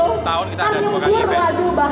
setiap tahun kita ada dua kali event